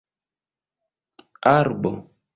arbo